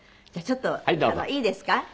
じゃあちょっといいですか？